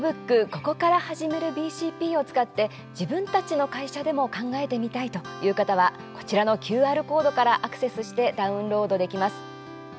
「ここから始めるＢＣＰ」を使って自分たちの会社でも考えてみたいという方はこちらのＱＲコードからアクセスしてダウンロードできます。